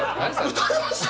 撃たれました